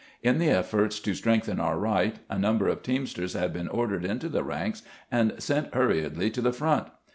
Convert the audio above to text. In the efforts to strengthen our right, a number of teamsters had been ordered into the ranks and sent hurriedly to the front.